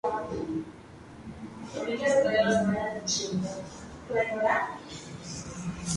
Se dice que Wessel se oponía a la idea de recibir las órdenes sacerdotales.